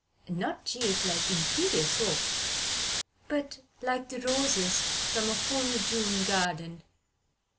Not cheap like inferior soap, but like the roses from a full June garden.